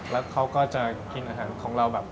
แล้วเขาก็จะกินอาหารของเราแบบ